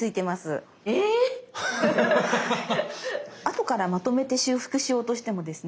⁉後からまとめて修復しようとしてもですね